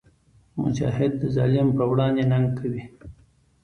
مجاهد د ظالم پر وړاندې ننګ کوي.